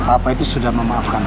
apa itu sudah memaafkan